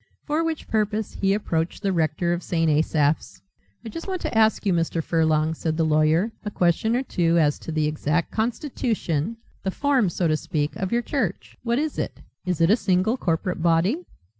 For which purpose he approached the rector of St. Asaph's. "I just want to ask you, Mr. Furlong," said the lawyer, "a question or two as to the exact constitution, the form so to speak, of your church. What is it? Is it a single corporate body?"